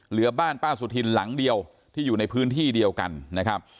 เหลือบ้านป้าสุธินหลังเดียวที่อยู่ในพื้นที่เดียวกันนะครับ